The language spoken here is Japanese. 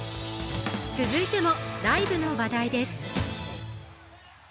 続いても、ライブの話題です。